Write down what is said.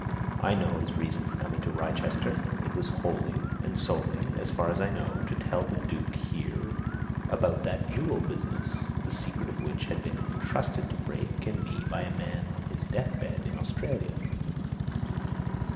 I know his reason for coming to Wrychester. It was wholly and solely as far as I know to tell the Duke here about that jewel business, the secret of which had been entrusted to Brake and me by a man on his death bed in Australia.